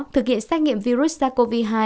thực hiện xác nghiệm virus sars cov hai